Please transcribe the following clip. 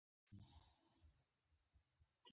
তুমি ঐ ফেরেশতা দলের কাছে গিয়ে দেখ তারা কী বলে?